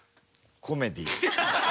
コメディー。